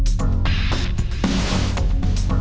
dan ber moskwa